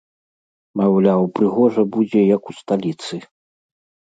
Маўляў, прыгожа будзе, як у сталіцы.